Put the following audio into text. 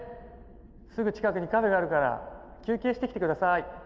すぐ近くにカフェがあるから休憩してきて下さい」。